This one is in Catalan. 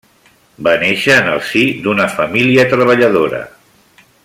Va néixer en el si d'una família treballadora.